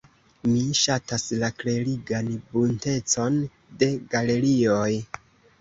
Mi ŝatas la klerigan buntecon de galerioj.